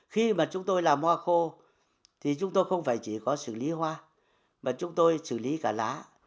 khi mà chúng tôi làm hoa khô thì chúng tôi không phải chỉ có xử lý hoa mà chúng tôi xử lý cả lá